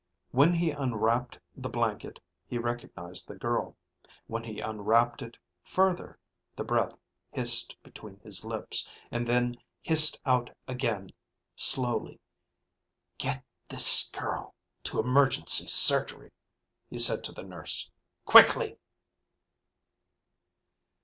When he unwrapped the blanket, he recognized the girl. When he unwrapped it further, the breath hissed between his lips, and then hissed out again, slowly. "Get this girl to emergency surgery," he said to the nurse. "Quickly!"